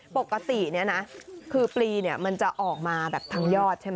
ปกติเนี่ยนะคือปลีเนี่ยมันจะออกมาแบบทางยอดใช่ไหม